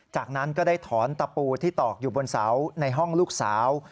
จากนั้นก็ได้ถอนตะปูที่ตอกอยู่บนเสาในห้องลูกสาว